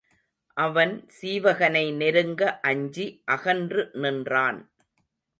அவன் சீவகனை நெருங்க அஞ்சி அகன்று நின்றான்.